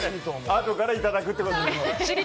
あとからいただくということで。